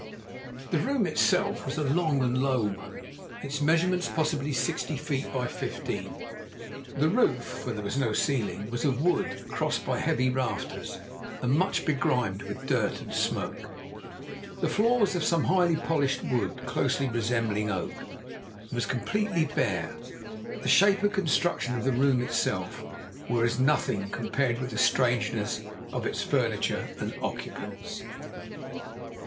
The room itself was a long and low one: its measurements possibly sixty feet by fifteen. The roof for there was no ceiling was of wood, crossed by heavy rafters, and much begrimed with dirt and smoke. The floor was of some highly polished wood closely resembling oak, and was completely bare. But the shape and construction of the room itself were as nothing compared with the strangeness of its furniture and occupants.